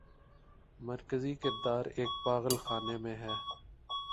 مرکزی کردار ایک پاگل خانے میں ہے۔